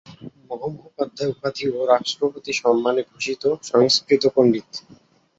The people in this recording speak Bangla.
মহামহোপাধ্যায় উপাধি ও রাষ্ট্রপতি সম্মানে ভূষিত সংস্কৃত পণ্ডিত।